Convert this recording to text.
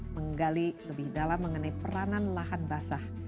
menggali lebih dalam mengenai peranan lahan basah